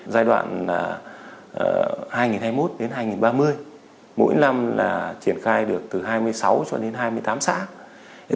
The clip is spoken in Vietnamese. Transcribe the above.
giai đoạn hai nghìn hai mươi một đến hai nghìn ba mươi mỗi năm triển khai được từ hai mươi sáu cho đến hai mươi tám xã